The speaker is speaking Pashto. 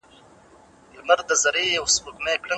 دا اپلیکیشن یوازې یو پیل دی.